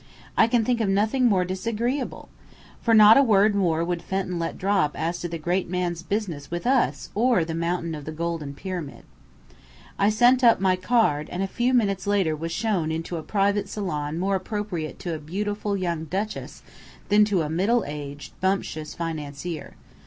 I can think of nothing more disagreeable! For not a word more would Fenton let drop as to the great man's business with us or the Mountain of the Golden Pyramid. I sent up my card, and a few minutes later was shown into a private salon more appropriate to a beautiful young duchess than to a middle aged, bumptious financier.